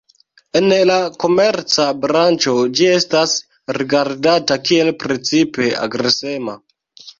En la komerca branĉo ĝi estas rigardata kiel precipe agresema.